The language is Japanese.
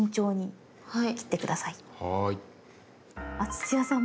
土屋さん